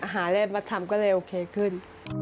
อะไรมาทำก็เลยโอเคขึ้น